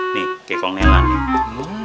nih kayak kalau nelan nih